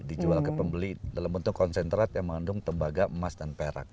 dijual ke pembeli dalam bentuk konsentrat yang mengandung tembaga emas dan perak